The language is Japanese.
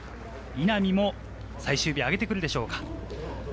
稲見も最終日、上げてくるでしょうか。